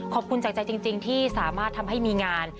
ขอบคุณจากใจจริงที่สามารถทำให้มีงาน